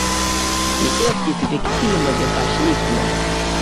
Li estis viktimo de faŝismo.